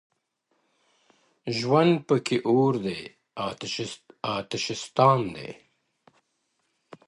ژوند پکي اور دی _ آتشستان دی _